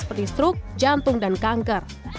berdistruk jantung dan kanker